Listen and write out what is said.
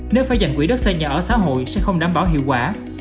nếu phải dành quỹ đất xây nhà ở xã hội sẽ không đảm bảo hiệu quả